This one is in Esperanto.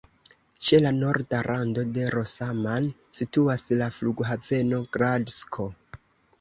Ĉe la norda rando de Rosoman situas la Flughaveno Gradsko.